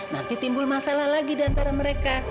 nanti timbul masalah lagi di antara mereka